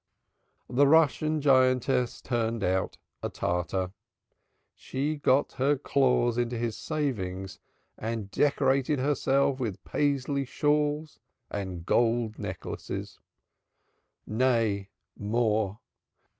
The Russian giantess turned out a tartar. She got her claws into his savings and decorated herself with Paisley shawls and gold necklaces. Nay more!